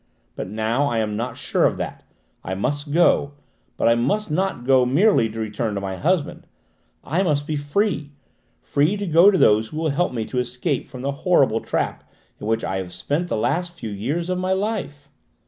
But now I am not sure of that. I must go, but I must not go merely to return to my husband! I must be free, free to go to those who will help me to escape from the horrible trap in which I have spent the last few years of my life!"